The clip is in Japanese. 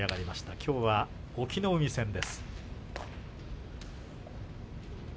きょうは隠岐の海戦です。